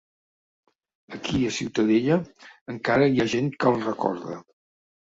Aquí a Ciutadella encara hi ha gent que el recorda.